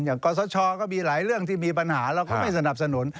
กรสชก็มีหลายเรื่องที่มีปัญหาเราก็ไม่สนับสนุน